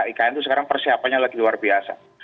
ikn itu sekarang persiapannya lagi luar biasa